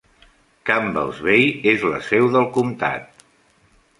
Campbell's Bay és la seu del comtat.